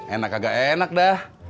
enak kagak enak dah